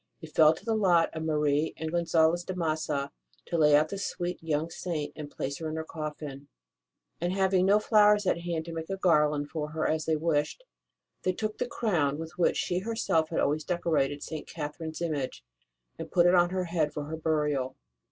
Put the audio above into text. It fell to the lot of Marie and 1 80 WHAT HAPPENED AFTER ROSE S DEATH l8l Gonzalez de Massa to lay out the sweet young Saint and place her in her coffin ; and, having no flowers at hand to make a garland for her as they wished, they took the crown with which she her self always decorated St. Catherine s image and put it on her head for her burial.